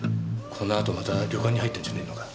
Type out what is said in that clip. このあとまた旅館に入ったんじゃねえのか？